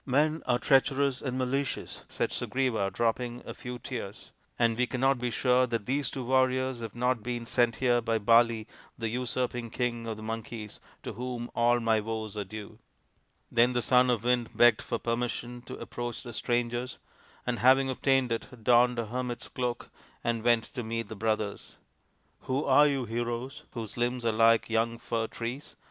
" Men are treacherous and malicious," said Sugriva, dropping a few tears, " and we cannot be sure that these two warriors have not been sent here by Bali, the usurping King of the Monkeys, to whom all my woes are due." Then the Son of the Wind begged for permission to approach the strangers, and, having obtained it, donned a hermit's cloak and went to meet the brothers. " Who are you, heroes, whose limbs are like young fir trees ?